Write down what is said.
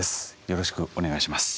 よろしくお願いします。